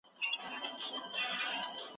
موږ باید خپل علمي کمال وښیو.